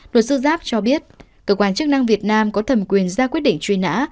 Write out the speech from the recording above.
luật sư giáp cho biết cơ quan chức năng việt nam có thẩm quyền ra quyết định truy nã